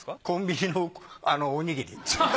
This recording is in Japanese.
コンビニのおにぎり。